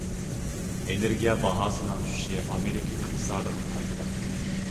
ئېنېرگىيە باھاسىنىڭ چۈشۈشى ئامېرىكا ئىقتىسادىغا پايدىلىق.